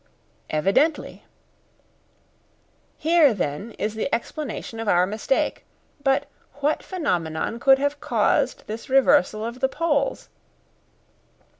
"Evidently!" "Here, then, is the explanation of our mistake. But what phenomenon could have caused this reversal of the poles?"